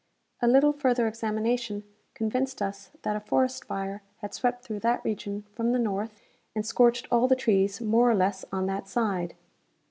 A little further examination convinced us that a forest fire had swept through that region from the north and scorched all the trees more or less on that side.